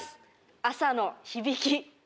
「朝の響き」。